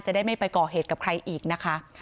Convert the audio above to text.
ได้ไม่ไปก่อเหตุกับใครอีกนะคะ